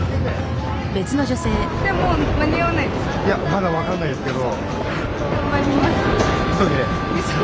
まだ分かんないですけど。